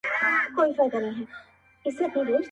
د زمري په کابینه کي خر وزیر وو؛